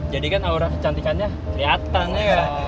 jadi kan aura kecantikannya keliatan ya